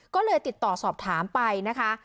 ก็เลยติดต่อสอบถามไปนะคะ